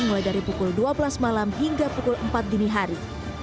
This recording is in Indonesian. mulai dari pukul dua belas malam hingga pukul empat dini hari